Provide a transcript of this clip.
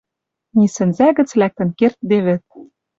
Ни сӹнзӓ гӹц лӓктӹн кердде вӹд...